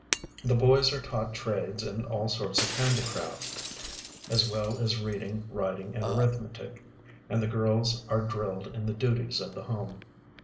The boys are tauglit trades and all sorts of handicraft, as well as reading, writing, and arithmetic, and the girls are drilled in the duties of the brnne.